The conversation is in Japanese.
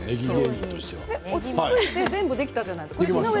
落ち着いて全部できたじゃないですか。